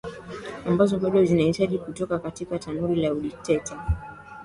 ambazo bado zinajitahidi kutoka katika tanuri la udikteta